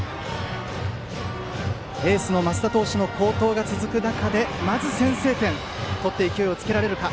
エースの升田投手の好投が続く中まず先制点を取って勢いをつけられるか。